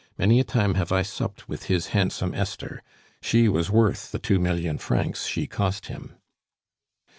"Many a time have I supped with his handsome Esther. She was worth the two million francs she cost him."